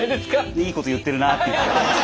いいこと言ってるなあって。